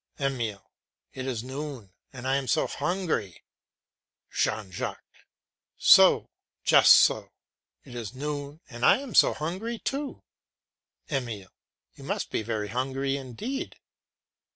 EMILE. It is noon and I am so hungry! JEAN JACQUES. Just so; it is noon and I am so hungry too. EMILE. You must be very hungry indeed.